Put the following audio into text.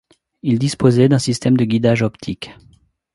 Il disposait d'un système de guidage optique.